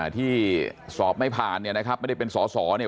ที่สอบไม่ผ่านเนี่ยนะครับไม่ได้เป็นสอสอเนี่ย